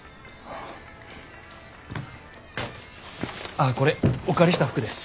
ああこれお借りした服です。